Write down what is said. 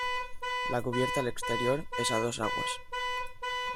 La cubierta al exterior es a dos aguas.